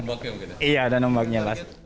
ada ombaknya iya ada ombaknya